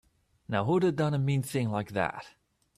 Now who'da done a mean thing like that?